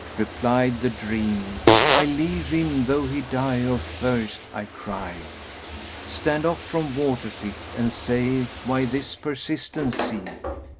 Replied the Dream, 'I leave him though he die of thirst,' I cry, * 'Stand off from water pit and say why this persistency.'